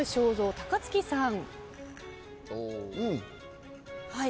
高月さん